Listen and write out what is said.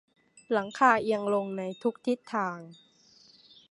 หลังคาเอียงลงในทุกทิศทาง